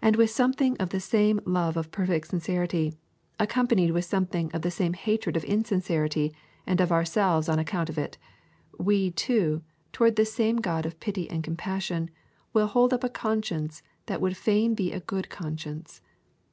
And with something of the same love of perfect sincerity, accompanied with something of the same hatred of insincerity and of ourselves on account of it, we, too, toward this same God of pity and compassion, will hold up a conscience that would fain be a good conscience.